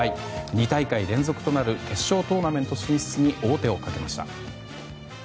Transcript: ２大会連続となる決勝トーナメント進出に王手をかけました。